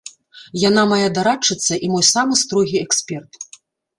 Яна мая дарадчыца і мой самы строгі эксперт.